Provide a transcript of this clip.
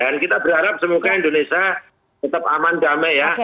dan kita berharap semoga indonesia tetap aman damai ya